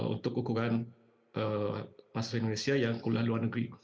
untuk ukuran masyarakat indonesia yang kuliah luar negeri